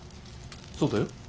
そうだよ。